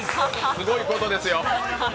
すごいことですよ。